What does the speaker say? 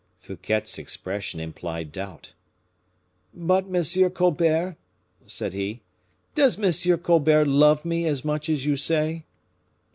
Fouquet's expression implied doubt. "But M. Colbert?" said he; "does M. Colbert love me as much as you say?"